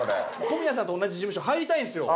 小宮さんと同じ事務所入りたいんすよ！